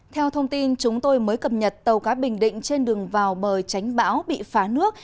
theo thông tin chúng tôi mới cập nhật tàu cá bình định trên đường vào bờ tránh bão bị phá nước